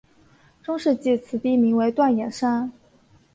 中世纪此地名为锻冶山。